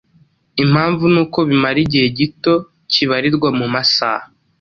Impamvu ni uko bimara igihe gito kibarirwa mu masaha.